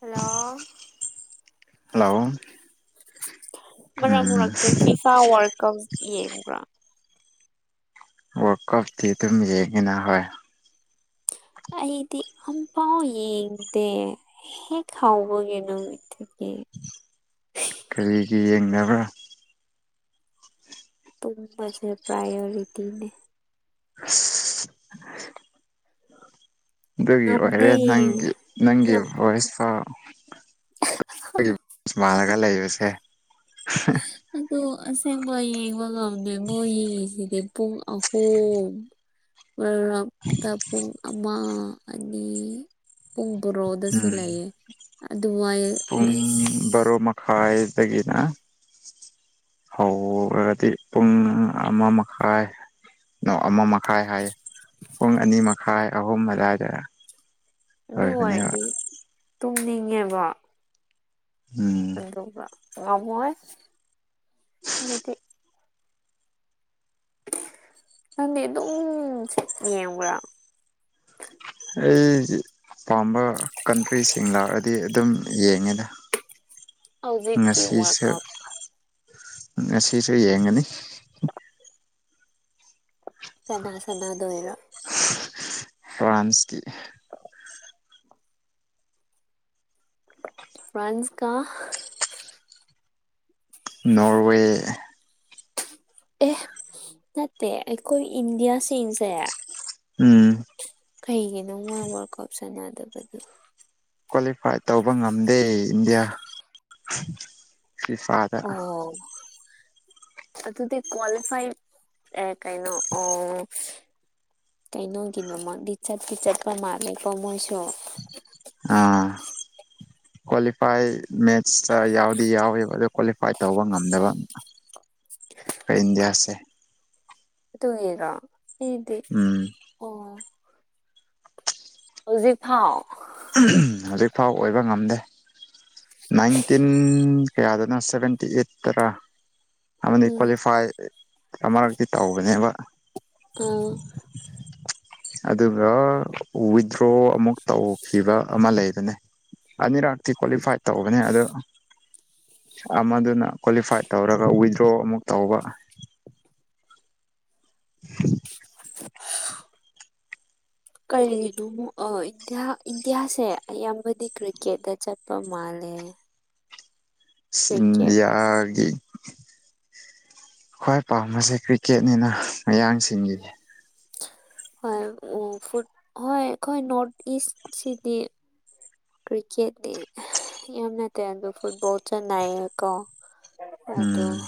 hello hello ꯃꯔꯛ ꯎꯝ ꯃꯔꯛꯇ ꯐꯤꯐꯥ ꯋꯥꯔꯀꯞ ꯌꯦꯡꯕ꯭ꯔꯥ ꯋꯥꯔ ꯀꯞꯇꯤ ꯗꯨꯝ ꯌꯦꯡꯉꯦꯅ ꯍꯣꯏ ꯑꯩꯗꯤ ꯑꯝꯐꯥꯎ ꯌꯦꯡꯗꯦ ꯍꯦꯛ ꯍꯧꯕꯒꯤ ꯅꯨꯃꯤꯠꯇꯒꯤ [unintelligible] ꯀꯔꯤꯒꯤ ꯌꯦꯡꯅꯕ꯭ꯔꯥ ꯇꯨꯝꯕꯁꯦ ꯄ꯭ꯔꯥꯏꯌꯣꯔꯤꯇꯤꯅꯦ ꯑꯁ ꯑꯗꯨꯒꯤ ꯑꯣꯏꯔꯦ ꯉꯝꯗꯦ ꯅꯪꯒꯤ ꯅꯪꯒꯤ ꯉꯝ ꯚꯣꯏꯁ ꯐꯥꯎ [unintelligible] ꯁ꯭ꯃꯥꯜꯂꯒ ꯂꯩꯕꯁꯦ ꯑꯗꯨ ꯑꯁꯦꯡꯕ ꯌꯦꯡꯕ ꯉꯝꯗꯦ ꯃꯣꯏ ꯌꯦꯡꯉꯤꯁꯤꯗꯤ ꯄꯨꯡ ꯑꯍꯨꯝ ꯉꯔꯥꯡꯇ ꯄꯨꯡ ꯑꯃ ꯑꯅꯤ ꯄꯨꯡ ꯕ꯭ꯔꯣꯗꯁꯨ ꯎꯝ ꯂꯩꯌꯦ ꯑꯥ ꯄꯨꯡ ꯕꯔꯣ ꯃꯈꯥꯏꯗꯒꯤꯅ ꯍꯧꯔꯗꯤ ꯄꯨꯡ ꯑꯃ ꯃꯈꯥꯏ ꯅ ꯑꯃ ꯃꯈꯥꯏ ꯍꯥꯏꯌꯦ ꯄꯨꯡ ꯑꯅꯤ ꯃꯈꯥꯏ ꯑꯍꯨꯝ ꯑꯗꯥꯏꯗ ꯗꯨ ꯑꯣꯏꯔꯗꯤ ꯇꯨꯝꯅꯤꯡꯉꯦꯕ ꯎꯝ ꯑꯗꯨꯒ ꯉꯝꯃꯣꯏ ꯑꯗꯨꯗꯤ ꯅꯪꯗꯤ ꯑꯗꯨꯝ ꯌꯦꯡꯕ꯭ꯔꯥ ꯑꯩꯒꯤ ꯄꯥꯝꯕ ꯀꯟꯇ꯭ꯔꯤꯁꯤꯡ ꯂꯥꯛꯑꯗꯤ ꯑꯗꯨꯝ ꯌꯦꯡꯉꯦꯗ ꯍꯧꯖꯤꯛꯀꯤ ꯋꯥꯔꯜ ꯉꯁꯤꯁꯨ ꯀꯞ ꯉꯁꯤꯁꯨ ꯌꯦꯡꯒꯅꯤ ꯀꯅꯥ ꯁꯅꯥꯗꯣꯏꯔꯣ ꯐ꯭ꯔꯥꯟꯁꯀꯤ ꯐ꯭ꯔꯥꯟꯁ ꯀ ꯅꯣꯔꯋꯦ ꯑꯦ ꯅꯠꯇꯦ ꯑꯩꯈꯣꯏ ꯏꯟꯗꯤꯌꯥꯁꯤꯡꯁꯦ ꯎꯝ ꯀꯩꯒꯤꯅꯣ ꯃꯣꯏ ꯋꯥꯔ ꯀꯞ ꯁꯥꯟꯅꯗꯕꯗꯤ ꯀ꯭ꯋꯥꯂꯤꯐꯥꯏ ꯇꯧꯕ ꯉꯝꯗꯦ ꯏꯟꯗꯤꯌꯥ ꯐꯤꯐꯥꯗ ꯑꯣ ꯑꯗꯨꯗꯤ ꯀ꯭ꯋꯥꯂꯤꯐꯥꯏ ꯑꯦ ꯀꯥꯏꯅꯣ ꯑꯣ ꯀꯩꯅꯣꯒꯤꯅꯣꯃꯛꯗꯤ ꯆꯠꯄꯤ ꯆꯠꯄ ꯃꯥꯜꯂꯦꯀꯣ ꯃꯣꯏꯁꯨ ꯑ ꯀ꯭ꯋꯥꯂꯤꯐꯥꯏ ꯃꯦꯠ ꯏꯇꯔ ꯌꯥꯎꯗꯤ ꯌꯥꯎꯋꯦꯕ ꯑꯣ ꯀ꯭ꯋꯥꯂꯤꯐꯥꯏ ꯇꯧꯕ ꯉꯝꯗꯕ ꯀ ꯏꯟꯗꯤꯌꯥꯁꯦ ꯑꯗꯨꯒꯤꯔꯣ ꯑꯩꯗꯤ ꯎꯝ ꯑꯣ ꯍꯧꯖꯤꯛ ꯐꯥꯎ ꯍꯧꯖꯤꯛꯐꯥꯎ ꯑꯣꯏꯕ ꯉꯝꯗꯦ ꯅꯥꯏꯟꯇꯤꯟ ꯀꯌꯥꯗꯅꯣ ꯁꯚꯦꯟꯇꯤ ꯑꯩꯢꯠꯇ ꯇꯔꯥ ꯑꯃꯗꯤ ꯎꯝ ꯀ꯭ꯋꯥꯂꯤꯐꯥꯏ ꯑꯃꯔꯛꯇꯤ ꯇꯧꯕꯅꯦꯕ ꯎꯝ ꯑꯗꯨꯕꯨꯔꯣ ꯋꯤꯗ꯭ꯔꯣ ꯑꯃꯨꯛ ꯇꯧ ꯄꯤꯕ ꯑꯃ ꯂꯩꯕꯅꯦ ꯑꯅꯤꯔꯛꯇꯤ ꯀ꯭ꯋꯥꯂꯤꯐꯥꯏꯠ ꯇꯧꯕꯅꯦ ꯑꯗꯣ ꯑꯃꯗꯨꯅ ꯀ꯭ꯋꯥꯂꯤꯐꯥꯏꯠ ꯇꯧꯔꯒ ꯋꯤꯗ꯭ꯔꯣ ꯑꯃꯨꯛ ꯇꯧꯕ [inaudible] [inaudible] ꯀꯔꯤꯒꯤꯅꯣ ꯏꯟꯗꯤꯌꯥ ꯏꯟꯗꯤꯌꯥꯁꯦ ꯑꯌꯥꯝꯕꯗꯤ ꯀ꯭ꯔꯤꯀꯦꯠꯇ ꯆꯠꯄ ꯃꯥꯜ ꯂꯦ ꯁꯤꯟꯗꯤꯌꯥꯒꯤ ꯈ꯭ꯋꯥꯏ ꯄꯥꯝꯕꯁꯦ ꯀ꯭ꯔꯤꯀꯦꯠꯅꯤꯅ ꯃꯌꯥꯡꯁꯤꯡꯒꯤꯗꯤ ꯐꯨꯠ ꯍꯣꯏ ꯑꯩꯈꯣꯏ ꯅꯣꯔꯊ ꯏꯁ ꯁꯤꯗꯤ ꯀ꯭ꯔꯤꯀꯦꯠꯅꯦ ꯌꯥꯝꯅ ꯇꯦꯜꯗ ꯐꯨꯠꯕꯣꯜ ꯆꯟ ꯅꯥꯏꯌꯦꯀꯣ ꯎꯝ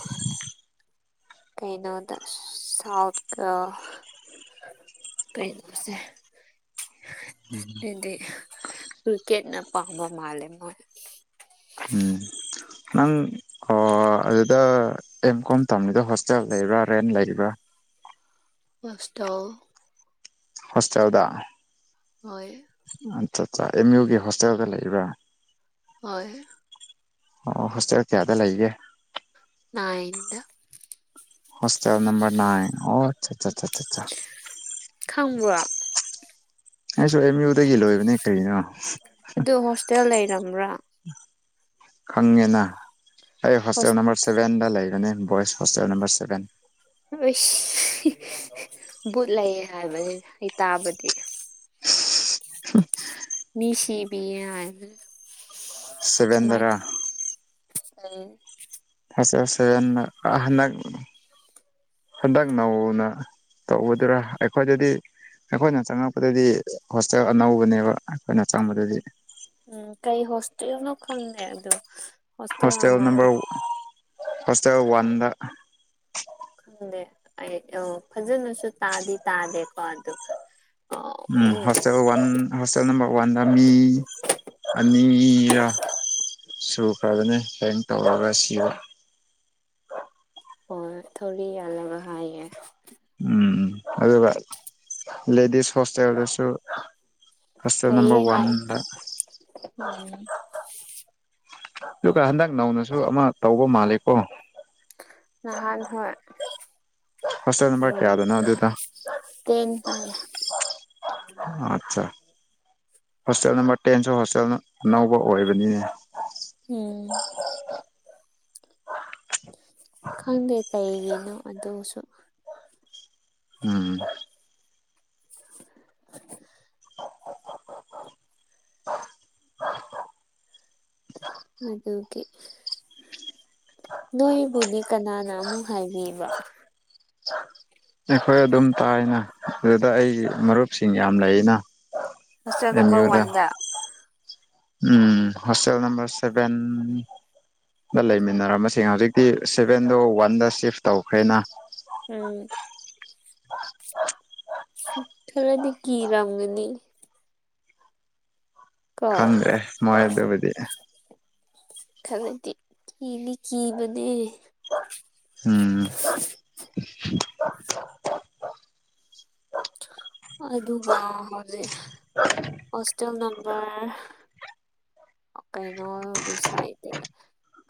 ꯀꯩꯅꯣꯗ ꯁꯥꯎꯠ ꯀꯥ ꯀꯩꯅꯣꯁꯦ ꯑꯗꯨꯗꯤ ꯀ꯭ꯔꯤꯀꯦꯠꯅ ꯄꯥꯝꯕ ꯃꯥꯜꯂꯦ ꯃꯣꯏ ꯎꯝ ꯅꯪ ꯑ ꯑꯗꯨꯗ ꯑꯦꯝ ꯀꯣꯝ ꯇꯝꯃꯤꯗꯣ ꯍꯣꯁꯇꯦꯜ ꯂꯩꯔꯥ ꯔꯦꯟ ꯂꯩꯔꯥ ꯍꯣꯁꯇꯦꯜ ꯍꯣꯁꯇꯦꯜꯗ ꯍꯣꯏ ꯑꯠ ꯆꯥ ꯆꯥ ꯑꯦꯝ ꯌꯨꯒꯤ ꯍꯣꯁꯇꯦꯜꯗ ꯂꯩꯔꯥ ꯍꯣꯏ ꯑꯣ ꯍꯣꯁꯇꯦꯜ ꯀꯌꯥꯗ ꯂꯩꯒꯦ ꯅꯥꯏꯟꯗ ꯍꯣꯁꯇꯦꯜ ꯅꯝꯕꯔ ꯅꯥꯏꯟ ꯑꯣ ꯑꯥꯠ ꯆꯥ ꯆꯥ ꯆꯥ ꯆꯥ ꯆꯥ ꯈꯪꯕ꯭ꯔꯣ ꯑꯩꯁꯨ ꯑꯝ ꯌꯨꯗꯒꯤ ꯂꯣꯏꯕꯅꯦ ꯀꯔꯤꯅꯣ ꯑꯗꯨ ꯍꯣꯁꯇꯦꯜ ꯂꯩꯔꯝꯕꯔꯥ ꯈꯪꯉꯦꯅ ꯑꯩ ꯍꯣꯁꯇꯦꯜ ꯑꯩꯁ ꯅꯝꯕꯔ ꯁꯚꯦꯟꯗ ꯂꯩꯕꯅꯦ ꯕꯣꯏꯁ ꯍꯣꯁꯇꯦꯜ ꯅꯝꯕꯔ ꯁꯔꯦꯟ ꯎꯁ ꯕꯨꯠ ꯂꯩ ꯍꯥꯏꯕꯅꯦ ꯑꯩ ꯇꯥꯕꯗꯤ ꯃꯤ ꯁꯤꯕꯤ ꯍꯥꯏ ꯕꯅꯦ ꯁꯕꯦꯟ ꯗꯔꯥ ꯑꯩ ꯑ ꯍꯟꯗꯛ [unintelligible] ꯍꯟꯗꯛ ꯅꯧꯅ ꯇꯧꯒꯥꯗꯔꯥ ꯑꯩꯈꯣꯏꯗꯗꯤ ꯑꯩꯈꯣꯏꯅ ꯆꯪꯉꯛꯄꯗꯗꯤ ꯍꯣꯁꯇꯦꯜ ꯑꯅꯧꯕꯅꯦꯕ ꯑꯩꯈꯣꯏꯅ ꯆꯪꯕꯗꯗꯤ ꯎꯝ ꯀꯩ ꯍꯣꯁꯇꯦꯜꯅ ꯈꯪꯗꯦ ꯑꯗꯨ ꯍꯣꯁꯇꯦꯜ ꯅꯝꯕꯔ ꯍꯣꯁꯇꯦꯜ ꯋꯥꯟꯗ ꯈꯪꯗꯦ ꯑꯩ ꯑꯣ ꯐꯖꯅꯁꯨ ꯇꯥꯗꯤ ꯇꯥꯗꯦꯀꯣ ꯑꯗꯨꯒ ꯎꯝ ꯍꯣꯁꯇꯦꯜ ꯋꯥꯟ ꯍꯣꯁꯇꯦꯜ ꯅꯝꯕꯔ ꯋꯥꯗ ꯃꯤ ꯑꯅꯤꯔꯥ ꯁꯨꯈ꯭ꯔꯕꯅꯦ ꯍꯦꯡ ꯇꯧꯔꯒ ꯁꯤꯕ ꯍꯣꯏ ꯊꯧꯔꯤ ꯌꯥꯜꯂꯒ ꯍꯥꯏꯌꯦ ꯎꯝ ꯑꯗꯨꯒ ꯂꯦꯗꯤꯁ ꯍꯣꯁꯇꯦꯜꯗꯁꯨ ꯍꯣꯁꯇꯦꯜ ꯂꯩꯌꯦ ꯅꯝꯕꯔ ꯍꯥꯏ ꯋꯥꯟꯗ ꯎꯝ ꯑꯗꯨꯒ ꯍꯟꯗꯛ ꯅꯧꯅꯁꯨ ꯑꯃ ꯇꯧꯕ ꯃꯥꯜꯂꯦꯀꯣ ꯅꯍꯥꯟ ꯍꯣꯏ ꯍꯣꯁꯇꯦꯜ ꯅꯝꯕꯔ ꯎꯝ ꯀꯌꯥꯗꯅꯣ ꯑꯗꯨꯗ ꯇꯦꯟ ꯍꯥꯏꯌꯦ ꯑꯠꯆꯥ ꯍꯣꯁꯇꯦꯜ ꯅꯝꯕꯔ ꯇꯦꯟꯁꯨ ꯍꯣꯁꯇꯦꯜ ꯑꯅꯧꯕ ꯑꯣꯏꯕꯅꯤ ꯎꯝ ꯈꯪꯗꯦ ꯀꯩꯒꯤꯅꯣ ꯑꯗꯨꯁꯨ ꯎꯝ [inaudible] [inaudible] ꯑꯗꯨꯒꯤ ꯅꯣꯏꯕꯨꯗꯤ ꯀꯅꯥꯅ ꯑꯃꯨꯛ ꯍꯥꯏꯕꯤꯕ ꯑꯩꯈꯣꯏ ꯑꯗꯨꯝ ꯇꯥꯏꯌꯦꯅꯥ ꯑꯗꯨꯗ ꯑꯩꯒꯤ ꯃꯔꯨꯞꯁꯤꯡ ꯌꯥꯝ ꯂꯩꯌꯦꯅꯥ ꯍꯣꯁꯇꯦꯜ ꯅꯝꯕꯔ ꯋꯥꯟꯗ ꯎꯝ ꯍꯣꯁꯇꯦꯜ ꯅꯝꯕꯔ ꯁꯚꯦꯟ ꯗ ꯂꯩꯃꯤꯟꯅꯔꯝꯕꯁꯤꯡ ꯍꯧꯖꯤꯛꯇꯤ ꯁꯚꯦꯟꯗꯣ ꯋꯥꯟꯗ ꯁꯤꯐ ꯇꯧꯈ꯭ꯔꯦꯅꯥ ꯎꯝ ꯈꯔꯗꯤ ꯀꯤꯔꯝꯒꯅꯤ ꯀꯣ ꯈꯗ꯭ꯔꯦ ꯃꯣꯏ ꯑꯗꯨꯕꯨꯗꯤ ꯈꯕꯗꯤ ꯀꯤꯗꯤ ꯀꯤꯕꯅꯦ ꯎꯝ ꯑꯗꯨꯒꯥ ꯍꯧꯖꯤꯛ ꯍꯣꯁꯇꯦꯜ ꯅꯝꯕꯔ ꯑꯣ ꯀꯩꯩꯅꯣꯒꯤ ꯁꯥꯏꯠꯇꯩ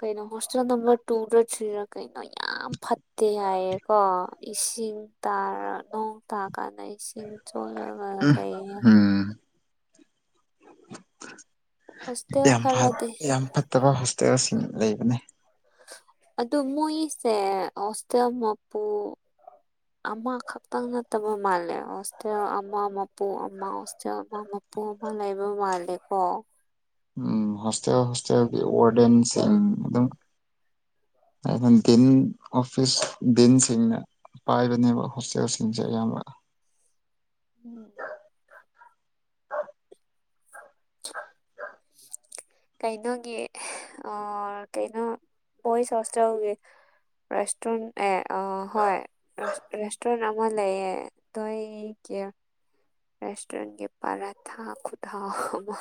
ꯀꯩꯅꯣ ꯍꯣꯁꯇꯦꯜ ꯅꯝꯕꯔ ꯇꯨꯗ ꯊ꯭ꯔꯤꯔ ꯀꯩꯅꯣ ꯌꯥꯝ ꯐꯠꯇꯦ ꯍꯥꯏꯌꯦꯀꯣ ꯏꯁ ꯢꯪ ꯇꯥꯔ ꯅꯣꯡ ꯇꯥ ꯀꯥꯟꯗ ꯏꯁꯤꯡ ꯆꯣꯠꯂꯒ ꯂꯩꯌꯦ ꯎꯝ ꯍꯣꯁꯇꯦꯜ ꯌꯥꯝ ꯐꯠ ꯈꯔꯗꯤ ꯌꯥꯝ ꯐꯠꯇꯕ ꯍꯣꯁꯇꯦꯜꯁꯤꯡ ꯂꯩꯕꯅꯦ ꯑꯗꯨ ꯃꯣꯏꯁꯦ ꯍꯣꯁꯇꯦꯜ ꯃꯄꯨ ꯑꯃ ꯈꯛꯇꯪ ꯅꯠꯇꯕ ꯃꯥꯜꯂꯦ ꯍꯣꯁꯇꯦꯜ ꯑꯃ ꯃꯄꯨ ꯑꯃ ꯍꯣꯁꯇꯦꯜ ꯑꯃ ꯃ ꯄꯨ ꯑꯃ ꯂꯩꯕ ꯃꯥꯜꯂꯦꯀꯣ ꯎꯝ ꯍꯣꯁꯇꯦꯜ ꯍꯣꯁꯇꯦꯜꯒꯤ ꯋꯥꯔꯗꯦꯟꯁꯤꯡ ꯑꯗꯨꯝ ꯑꯗꯨꯝ ꯗꯤꯟ ꯑꯣꯐꯤꯁ ꯗꯤꯟꯁꯤꯡꯅ ꯄꯥꯏꯕꯅꯦꯕ ꯍꯣꯁꯇꯦꯜꯁꯤꯡꯁꯦ ꯑꯌꯥꯝꯕ [inaudible] ꯎꯝ [inaudible] ꯀꯩꯅꯣꯒꯤ ꯑꯣ ꯀꯩꯅꯣ ꯕꯣꯏꯁ ꯍꯣꯢꯁꯇꯦꯜꯒꯤ ꯔꯦꯁꯇꯔꯨꯟ ꯑꯦ ꯑ ꯍꯣꯏ ꯔꯦꯁ ꯔꯦꯁꯇꯔꯨꯟ ꯑꯃ ꯂꯩꯌꯦ ꯗꯣꯏ ꯀ꯭ꯌ ꯔꯦꯁꯇꯨꯔꯦꯟꯒꯤ ꯄꯔꯊꯥ ꯈꯨꯠꯍꯥꯎ ꯑꯃ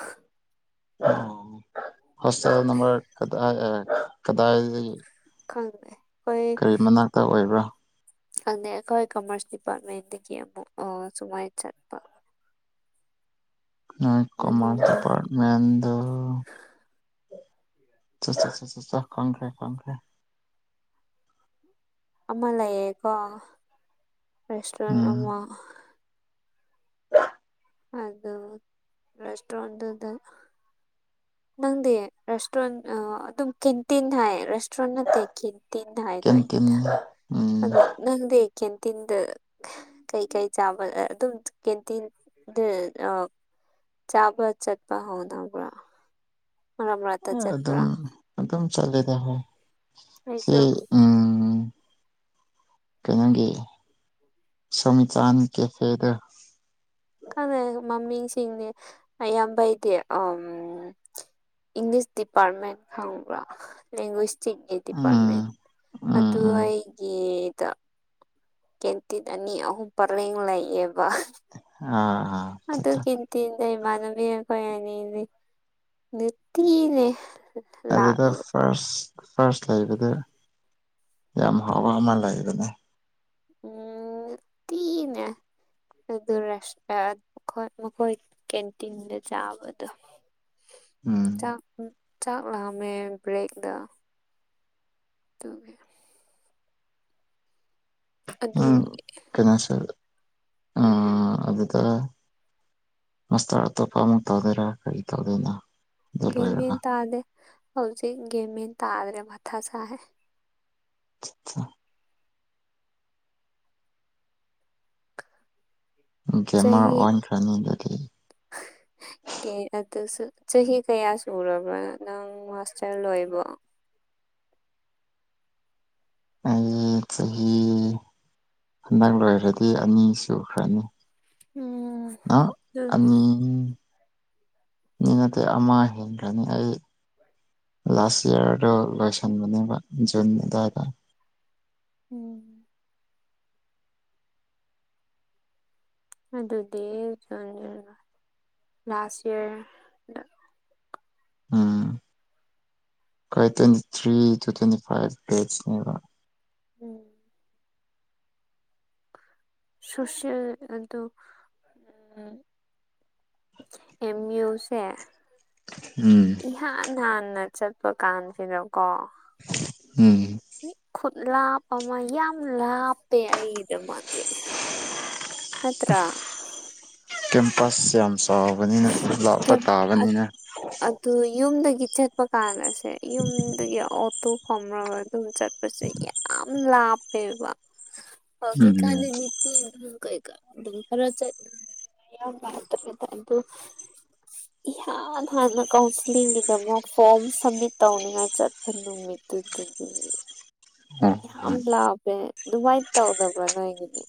ꯍꯣꯢꯇꯦꯜ ꯅꯝꯕ꯭ꯔ ꯀꯗꯥꯢ ꯑꯦ ꯀꯗꯥꯢꯗꯒꯤ ꯈꯪꯗꯦ ꯑꯩꯈꯣꯏ ꯀꯔꯤ ꯃꯅꯥꯛꯇ ꯑꯣꯏꯕ꯭ꯔꯥ ꯈꯪꯗꯦ ꯑꯈꯣꯏ ꯀꯝꯃ꯭ꯔꯁ ꯗꯤꯄꯥꯔꯠꯃꯦꯟꯗꯒꯤ ꯑꯃꯨꯛ ꯑꯣ ꯁꯨꯃꯥꯏꯟ ꯆꯠꯄ ꯎꯝ ꯀꯥꯃ꯭ꯔꯁ ꯃꯅꯨꯡꯗ ꯗꯤꯄꯥꯔꯠꯃꯦꯟꯗ ꯆꯥ ꯆꯥ ꯆꯥ ꯆꯥ ꯆꯥ ꯈꯪꯈ꯭ꯔꯦ ꯈꯪꯈ꯭ꯔꯦ ꯑꯃ ꯂꯩꯌꯦꯀꯣ ꯔꯦꯁꯇꯨ꯭ꯔꯦꯟ ꯎꯝ ꯑꯃ ꯑꯗꯨ ꯔꯦꯁ ꯇ꯭ꯔꯣꯟꯗꯨꯗ ꯅꯪꯗꯤ ꯔꯦꯁꯇꯨ꯭ꯔꯦꯟ ꯑꯥ ꯑꯗꯨꯝ ꯀꯤꯟꯇꯤꯟ ꯍꯥꯏ ꯔꯦꯁꯇꯨ꯭ꯔꯦꯟ ꯅꯠꯇꯦ ꯀꯦꯟ ꯇꯤꯟ ꯀꯦꯟꯇꯤꯟ ꯍꯥꯢꯗꯣꯢꯅꯦꯗ ꯎꯝ ꯑꯗꯨ ꯅꯪꯗꯤ ꯀꯦꯟꯇꯤꯟꯗ ꯀꯩꯀꯩ ꯆꯥꯕ ꯑꯗꯨꯝ ꯀꯦꯟꯇꯤꯟ ꯗꯨꯅꯣ ꯆꯥꯕ ꯆꯠꯄ ꯍꯧꯗꯧꯕ꯭ꯔ ꯃꯔꯛ ꯃꯔ ꯑ ꯑꯗꯨꯝ ꯑꯗꯨꯝ ꯆꯠꯂꯦꯗ ꯍꯣꯏ ꯁꯤ ꯑꯩꯁꯨ ꯎꯝ [unintelligible] ꯁꯝꯆꯥꯟ ꯀꯦꯐꯦꯗ ꯈꯪꯗꯦ ꯃꯃꯤꯡꯁꯤꯡꯅꯦ ꯑꯌꯥꯝꯕꯩꯗꯤ ꯑꯝ ꯏꯪꯂꯤꯁ ꯗꯤꯄꯥ꯭ꯔꯠꯃꯦꯟ ꯈꯪꯕ꯭ꯔꯣ ꯂꯦꯡꯒ꯭ꯋꯦꯁ ꯆꯤꯡꯒꯤ ꯗꯤꯄꯥ꯭ꯔꯠꯃꯦꯟ ꯎꯝ ꯎꯝ ꯎꯝ ꯑꯗꯨꯋꯥꯏꯒꯤ ꯗ ꯀꯦꯟꯇꯤꯠ ꯑꯅꯤ ꯑꯍꯨꯝ ꯄꯔꯦꯡ ꯂꯩꯌꯦꯕ ꯑꯥ ꯑꯥ ꯑꯗꯨ ꯀꯤꯟꯇꯤꯟ ꯗꯩꯩ ꯢꯃꯥꯟꯅꯕꯤ ꯑꯈꯣꯢ ꯑꯅꯤꯗꯤ [unintelligible] ꯂꯥꯛ ꯑꯗꯨꯗ ꯎꯝ ꯐꯥ꯭ꯔꯁ ꯐꯥ꯭ꯔꯁ ꯂꯩꯕꯗ ꯌꯥꯝ ꯍꯥꯎꯕ ꯑꯃ ꯂꯩꯌ [unintelligible] ꯎꯝ [unintelligible] [unintelligible] ꯀꯦꯟꯇꯤꯟꯗ ꯆꯥꯕꯗꯣ ꯎꯝ ꯆꯥꯛ ꯆꯥꯛ ꯂꯝꯃꯦ ꯕ꯭ꯔꯦꯛꯗ ꯗꯨꯒꯤ ꯑꯗꯨ ꯎꯝ ꯀꯩꯅꯣꯁꯦ ꯑꯝ ꯑꯗꯨꯗ ꯃ꯭ꯁꯇ꯭ꯔ ꯑꯇꯣꯞꯄ ꯑꯃꯨꯛ ꯇꯧꯗꯣꯏꯔꯥ ꯀꯔꯤ ꯇꯧꯗꯣꯏꯅ ꯒꯦꯃꯦꯟ ꯇꯥꯗꯦ ꯍꯧꯖꯤꯛ ꯒꯦꯃꯦꯟ ꯇꯥꯗꯦ ꯃꯊꯥ ꯁꯥꯢ [unintelligible] ꯒꯦꯝꯃ꯭ꯔ ꯆꯍꯤꯒꯤ ꯑꯣꯟꯈ꯭ꯔꯅꯤ ꯗ [inaudible] ꯀꯦ ꯑꯗꯨꯁꯨ ꯆꯍꯤ ꯀꯌꯥ ꯁꯨꯔꯕ꯭ꯔ ꯅꯪ ꯃꯥ꯭ꯁꯇ꯭ꯔ ꯂꯣꯏꯕ ꯑꯩ ꯆꯍꯤ ꯍꯟꯗꯛ ꯂꯣꯏꯔꯗꯤ ꯑꯅꯤ ꯁꯨꯈ꯭ꯔꯅꯤ ꯎꯝ ꯅꯣꯍ ꯎꯝ ꯑꯅꯤ ꯑꯅꯤ ꯅꯠꯇꯦ ꯑꯃ ꯍꯦꯟꯈ꯭ꯔꯅꯤ ꯑꯩ ꯂꯥ꯭ꯁ ꯌ꯭ꯔꯗ ꯂꯣꯏꯁꯟꯕꯅꯦꯕ ꯖꯨꯟ ꯑꯗꯥꯢꯗ ꯎꯝ ꯑꯗꯨꯗꯤ [unintelligible] ꯂꯥꯁ ꯌ꯭ꯔꯗ ꯍꯣꯏ ꯇꯣꯏꯟꯇꯤ ꯊ꯭ꯔꯤ ꯇꯨ ꯇ꯭ꯋꯦꯟꯇꯤ ꯐ꯭ꯢꯥꯞ ꯚꯦꯠꯁ ꯅꯦꯕ ꯎꯝ ꯁꯣꯁꯤꯑꯜ ꯑꯗꯨ ꯎꯝ ꯑꯦꯝ ꯌꯨ ꯁꯦ ꯎꯝ ꯏꯍꯥꯟ ꯍꯥꯟꯅ ꯆꯠꯄ ꯀꯥꯟꯁꯤꯗ ꯀꯣ ꯎꯝ [unintelligible] ꯈꯨꯠ ꯂꯥꯞꯄ ꯑꯃ ꯌꯥꯝ ꯂꯥꯞꯄꯦ ꯑꯩꯒꯤꯗꯃꯛꯇꯤ ꯅꯠꯇ꯭ꯔꯥ ꯀꯦꯝꯄꯁ ꯌꯥꯝ ꯆꯥꯎꯕꯅꯤꯅ ꯂꯥꯞꯄ ꯀꯦꯝ ꯇꯥꯕꯅꯤꯅꯦ ꯆꯠꯄꯀꯥꯟ ꯑꯁꯦ ꯌꯨꯝꯗꯒꯤ ꯑꯣꯇꯣ ꯄꯝꯔꯒ ꯗꯨꯝ ꯆꯠꯄꯁꯦ ꯌꯥꯝ ꯎꯝ ꯂꯥꯞꯄꯦꯕꯥ ꯎꯝ ꯍꯧꯖꯤꯛꯀꯥꯟꯗꯤ ꯃꯤꯇꯤꯡ ꯎꯝ ꯀꯩ ꯀꯥ ꯑꯗꯨꯝ ꯈꯔ ꯆꯠ [unintelligible] ꯑꯗꯨ ꯏꯍꯥ ꯍꯥꯟ ꯍꯥꯟꯅ ꯀꯥꯎꯟꯁꯂꯤꯡꯒꯤ ꯗꯃꯣꯛ ꯐꯣꯔꯝ ꯁꯝꯃꯤꯠ ꯇꯧꯅꯤꯉꯥꯏ ꯆꯠꯄ ꯅꯨꯃꯤꯠꯇꯨꯗꯗꯒꯤ [inaudible] ꯑꯣ ꯌꯥꯝ ꯂꯥꯞꯄꯦ ꯗꯨꯃꯥꯏ ꯇꯧꯗꯕ꯭ꯔꯥ ꯅꯣꯏꯒꯤꯗꯤ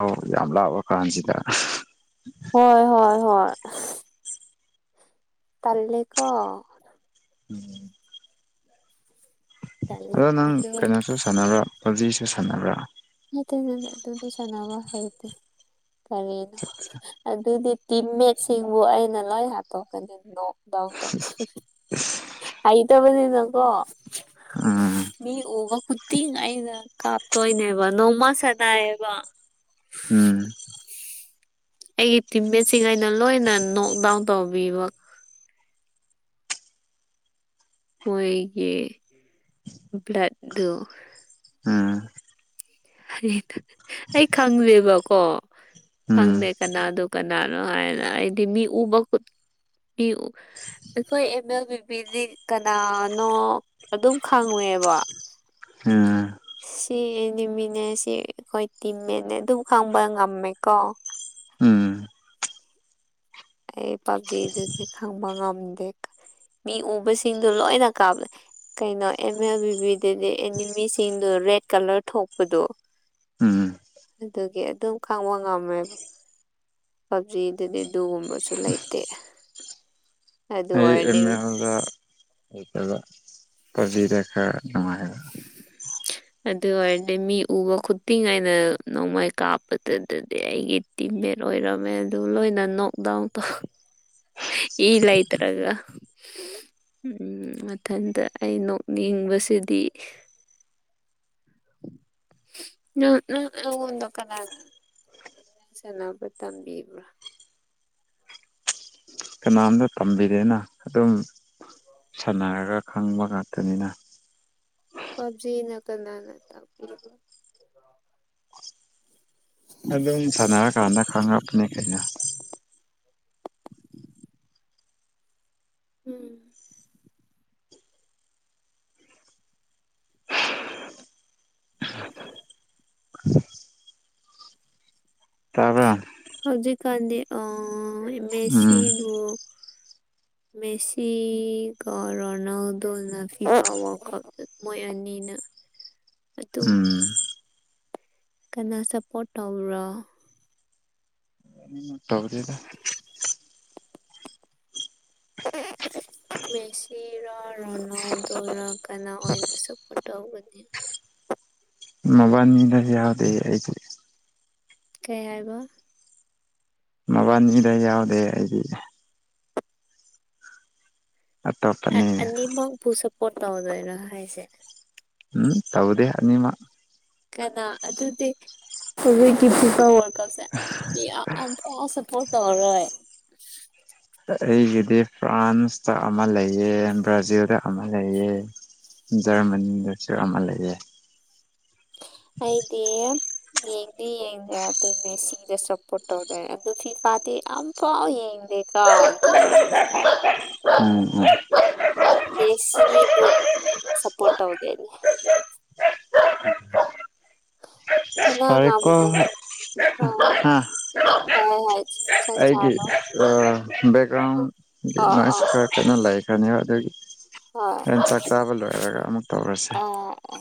ꯥ [unintelligible] ꯌꯥꯝ ꯂꯥꯞꯄ ꯀꯥꯟꯁꯤꯗ [unintelligible] ꯍꯣꯏ ꯍꯣꯏ ꯍꯣꯏ ꯇꯜꯂꯦꯀꯣ ꯎꯝ ꯇꯜ ꯑꯗꯣ ꯅꯪ ꯑꯗꯨ ꯀꯩꯅꯣꯁꯨ ꯁꯥꯟꯅꯕ꯭ꯔꯥ ꯄꯕ ꯖꯤ ꯁꯨ ꯁꯥꯟꯅꯕ꯭ꯔꯥ ꯅꯠꯇꯦ ꯅꯦꯅꯦ ꯑꯗꯨꯗꯤ ꯁꯥꯅꯕ ꯍꯩꯇꯦ ꯀꯔꯤꯅꯣ ꯍ ꯑꯗꯨꯗꯤ ꯇꯤꯝꯃꯦꯠꯁꯤꯡꯕꯨ ꯑꯩꯅ ꯂꯣꯏ ꯍꯥꯠꯇꯣꯛꯀꯅꯤ ꯅꯣ ꯗꯥꯎ ꯇꯣ [unintelligible] ꯍꯩꯇꯕꯅꯤꯅꯀꯣ ꯎꯝ ꯃꯤ ꯎꯕ ꯈꯨꯗꯤꯡ ꯑꯩꯅ ꯀꯥꯞꯇꯣꯏꯅꯦ ꯕ ꯅꯣꯡꯃ ꯁꯥꯅꯑꯦꯕ ꯎꯝ ꯑꯩꯒꯤ ꯇꯤꯝꯃꯦꯠ ꯁꯤꯡ ꯑꯩꯅ ꯂꯣꯏꯅ ꯅꯣꯛꯗꯥꯎꯟ ꯇꯧꯕꯤꯕ ꯃꯣꯏꯒꯤ ꯕ꯭ꯂꯦꯗ ꯗꯨ ꯍ ꯎꯝ ꯍꯩ ꯇ ꯑꯩ ꯈꯪꯗꯦꯕꯀꯣ ꯎꯝ ꯈꯪꯗꯦ ꯀꯅꯥꯗꯨ ꯀꯅꯥꯅꯣ ꯍꯥꯏꯅ ꯑꯩꯗꯤ ꯃꯤ ꯎꯕ ꯈꯨꯠ ꯗꯤ ꯎ ꯑꯩꯈꯣꯏ ꯑꯦꯝ ꯑꯦꯜ ꯕꯤ ꯕꯤ ꯗꯤ ꯀꯅꯥꯅꯣ ꯑꯗꯨꯝ ꯈꯪꯑꯣꯏ ꯑꯦꯕꯥ [unintelligible] ꯁꯤ ꯑꯦꯅꯤꯃꯤꯅꯦ ꯁꯤ ꯑꯩꯈꯣꯏ ꯇꯤꯝꯃꯦꯠꯅꯦ ꯑꯗꯨꯝ ꯈꯪꯕ ꯉꯝꯃꯦꯀꯣ ꯎꯝ ꯑꯩ ꯄꯞꯕ ꯖꯤ ꯗꯨ ꯗꯤ ꯈꯪꯕ ꯉꯝꯗꯦ [unintelligible] ꯃꯤ ꯎꯕꯁꯤꯡꯗꯨ ꯂꯣꯏꯅ ꯀꯥꯞꯂꯦ ꯀꯩꯅꯣ ꯑꯦꯝ ꯑꯦꯜ ꯕꯤ ꯕꯤ ꯗꯗꯤ ꯑꯦꯅꯤꯃꯤꯁꯤꯡꯗꯨ ꯔꯦꯠ ꯀꯂꯔ ꯊꯣꯛꯄꯗꯣ ꯎꯝ ꯑꯗꯨꯒꯤ ꯑꯗꯨꯝ ꯈꯪꯕ ꯉꯝꯃꯦꯕꯥ ꯄꯞꯕ ꯖꯤ ꯗꯗꯤ ꯑꯗꯨꯒꯨꯝꯕ ꯁꯨ ꯂꯩꯇꯦ ꯑꯗꯨ ꯑꯩ ꯑꯦꯝ ꯑꯣꯏꯔꯗꯤ ꯑꯦꯜꯗ ꯅꯨꯉꯥꯏꯑꯦꯕ ꯑꯗꯨ ꯑꯣꯏꯔꯗꯤ ꯃꯤ ꯎꯕ ꯈꯨꯗꯤꯡ ꯑꯩꯅ ꯅꯣꯡꯃꯩ ꯀꯥꯞꯄꯗꯨꯗꯗꯤ ꯑꯩꯒꯤ ꯇꯤꯝꯃꯦꯠ ꯑꯣꯏꯔꯝꯃꯦ ꯑꯗꯨ ꯂꯣꯏꯅ ꯅꯣꯛ ꯗꯥꯎꯟ ꯇꯧꯍ ꯏ ꯂꯩꯇꯔꯒ ꯍꯝ ꯎꯝ ꯃꯊꯟꯇ ꯑꯩ ꯅꯣꯛꯅꯤꯡꯕꯁꯤꯗꯤ ꯅꯪ ꯅꯪ ꯅꯉꯣꯟꯗ ꯀꯅꯥꯅ [unintelligible] ꯁꯦꯅꯕ ꯇꯝꯕꯤꯕ꯭ꯔꯥ ꯀꯅꯥꯝꯇ ꯇꯝꯕꯤꯗꯦꯅ ꯑꯗꯨꯝ ꯁꯟꯅꯔꯒ ꯈꯪꯕ ꯉꯥꯛꯇꯅꯤꯅ ꯄꯕꯖꯤ ꯅ ꯀꯅꯥꯅ ꯇꯥꯛꯄꯤꯕ ꯑꯗꯨꯝ ꯁꯥꯟꯅꯔꯀꯥꯟꯗ ꯈꯪꯉꯛꯄꯅꯦ ꯀꯩꯅꯣ ꯎꯝ ꯇꯥꯕ꯭ꯔꯥ ꯍꯧꯖꯤꯛꯀꯥꯟꯗꯤ ꯑꯥ ꯎꯝ ꯃꯦꯁꯤꯕꯨ [inaudible] ꯃꯦꯁꯤꯒ ꯔꯣꯅꯥꯜꯗꯣꯅ ꯐꯤꯐꯥ ꯋꯔꯜ ꯀꯞ ꯃꯣꯏ ꯑꯅꯤ ꯅ ꯎꯝ ꯀꯅꯥ ꯁꯞꯄꯣꯔꯠ ꯇꯧꯕ꯭ꯔꯣ ꯇꯧꯗꯦꯗ [inaudible] ꯃꯦꯁꯤꯔꯥ ꯔꯣꯅꯥꯜꯗꯣꯔꯥ ꯀꯅꯥ ꯑꯣꯏ ꯁꯄꯣꯔꯠ ꯇꯧꯒꯅꯤ ꯃꯕꯥꯥꯅꯤꯗꯗꯤ ꯌꯥꯎꯗꯦ ꯑꯩꯗꯤ ꯀꯩ ꯍꯥꯏꯕ ꯃꯕꯥꯅꯤꯗ ꯌꯥꯎꯗꯦ ꯑꯩꯗꯤ ꯑ ꯑꯇꯣꯞꯄꯅꯦ ꯑꯅꯤꯃꯛꯄꯨ ꯁꯞꯄꯣꯔꯠ ꯇꯧꯗꯣꯏꯔꯣ ꯍꯥꯏꯁꯦ ꯎꯝ ꯇꯧꯗꯦ ꯑꯅꯤꯃꯛ ꯀꯅꯥ ꯑꯗꯨꯗꯤ [unintelligible] ꯀꯞꯁꯦ ꯃꯤ ꯑꯝꯐꯥꯎ ꯁꯞꯄꯣꯔꯠ ꯇꯧꯔꯣꯏ ꯑꯩꯒꯤꯗꯤ ꯐ꯭ꯔꯥꯟꯁꯇ ꯑꯃ ꯂꯩꯌꯦ ꯕ꯭ꯔꯥꯖꯤꯜꯗ ꯑꯃ ꯂꯩꯌꯦ ꯖꯔꯃꯅꯤꯗꯁꯨ ꯑꯃ ꯂꯩꯌꯦ [inaudible] ꯑꯩꯗꯤ ꯌꯦꯡꯗꯤ ꯌꯦꯡꯗꯦ ꯑꯗꯨꯕꯨ ꯃꯦꯁꯤꯗ ꯁꯄꯣꯠ ꯇꯧꯗꯣꯏꯅꯦ ꯑꯗꯨ ꯐꯤ ꯐꯥꯗꯤ ꯗꯤ ꯑꯝꯐꯥꯎ ꯌꯦꯡꯗꯦꯀꯣ ꯗꯨ ꯑꯣꯏꯔꯁꯨ ꯎꯝ ꯎꯝ ꯃꯦꯁꯤꯕꯨ ꯁꯄꯣꯔꯠ ꯇꯧꯗꯦꯅꯦ ꯄꯨꯉꯥꯡ ꯐꯔꯦꯀꯣ ꯉꯥꯡꯕ ꯍꯣꯏ ꯆꯥꯛ [unintelligible] ꯑꯩꯒꯤ ꯆꯥꯔꯣ ꯕꯦꯛꯒ꯭ꯔꯥꯎꯟꯒꯤ ꯑꯥ ꯑꯥ ꯅꯣꯏꯁꯇꯣ ꯀꯩꯅꯣ ꯂꯩ ꯇꯟꯅꯦꯕ ꯑꯗꯨꯒꯤ ꯍꯣꯏ ꯅꯪ ꯆꯥꯛ ꯆꯥꯕ ꯂꯣꯏꯔꯒ ꯑꯃꯨꯛ ꯇꯧꯔꯁꯦ [inaudible] ꯑꯥ